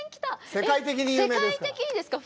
世界的に有名ですから。